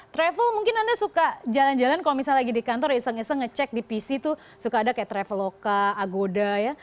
travel mungkin anda suka jalan jalan kalau misalnya lagi di kantor iseng iseng ngecek di pc tuh suka ada kayak traveloka agoda ya